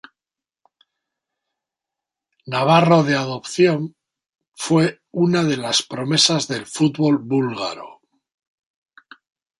Navarro de adopción, fue una de las promesas del fútbol búlgaro.